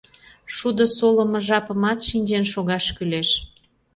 Шудо солымо жапымат шинчен шогаш кӱлеш.